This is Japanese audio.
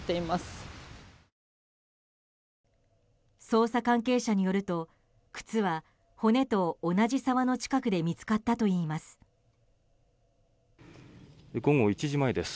捜査関係者によると靴は骨と同じ沢の近くで見つかったといいます。